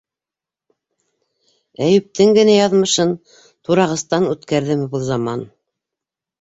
Әйүптең генә яҙмышын турағыстан үткәрҙеме был заман?